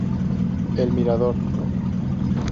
El Mirador.